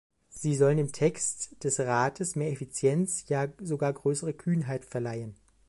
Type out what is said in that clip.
Sie sollen dem Text des Rates mehr Effizienz, ja sogar größere Kühnheit verleihen.